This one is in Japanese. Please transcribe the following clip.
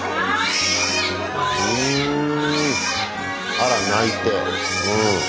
あら泣いて。